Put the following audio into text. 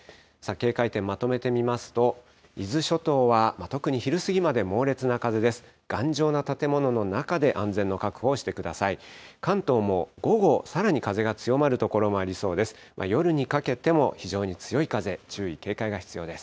警戒点、まとめてみますと、伊豆諸島は特に昼過ぎまで猛烈な風です。